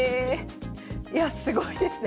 いやすごいですね。